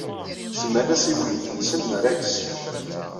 Semman-as i weydi-nsen Rex.